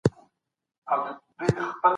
چي ته نه يې زما په ژوند كي